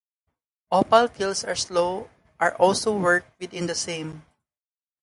Opal fields are also worked within the shire.